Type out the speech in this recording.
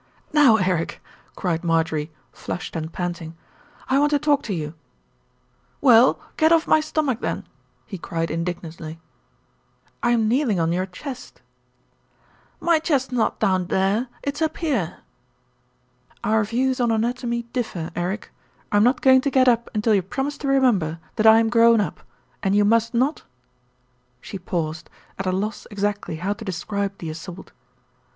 "Now, Eric," cried Marjorie, flushed and panting. "I want to talk to you." "Well, get off my stomach then," he cried indig nantly. "I'm kneeling on your chest." "My chest's not down there, it's up here." "Our views on anatomy differ, Eric. I am not go ing to get up until you promise to remember that I am grown up, and you must not " She paused, at a loss exactly how to describe the assault.